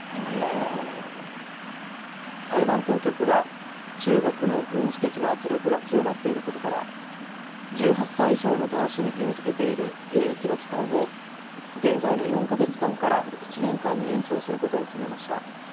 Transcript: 台湾当局は中国の軍事的な圧力が強まっていることから１８歳以上の男子に義務づけている兵役の期間を現在の４か月間から１年間に延長することを決めました。